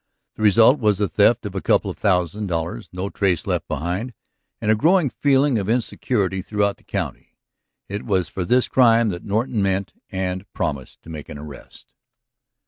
The result was a theft of a couple of thousand dollars, no trace left behind, and a growing feeling of insecurity throughout the county. It was for this crime that Norton meant and promised to make an arrest.